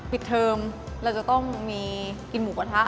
เทอมเราจะต้องมีกินหมูกระทะ